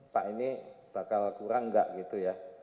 pak ini bakal kurang nggak gitu ya